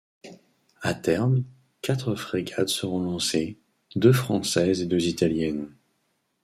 À terme, quatre frégates seront lancées, deux françaises et deux italiennes.